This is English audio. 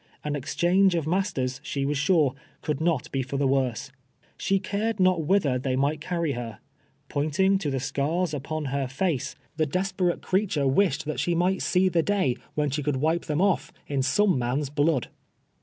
An exchange of masters, she was sure, could not be for the worse. She cared not whither they might carry her. Pointing to the fccars upon hur faccj the desperate creature wished CLEM KAY. C3 tliat she might sec the day when she coiikl wipe thcni otf in some man's blood